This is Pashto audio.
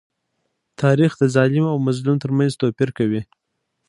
تاریخ د ظالم او مظلوم تر منځ توپير کوي.